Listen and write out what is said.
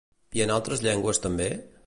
I en altres llengües també?